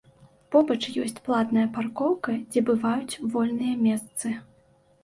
Побач ёсць платная паркоўка, дзе бываюць вольныя месцы.